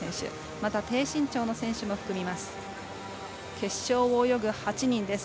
また低身長の選手も含みます。